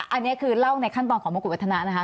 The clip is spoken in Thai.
อันนี้คือเล่าในขั้นตอนของมงกุวัฒนะนะคะ